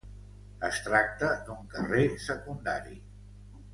Es tracta d'un carrer secundari.